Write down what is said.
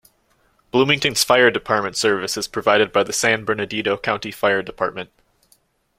Bloomington's fire department service is provided by the San Bernardino County Fire Dept.